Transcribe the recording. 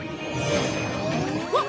わっ！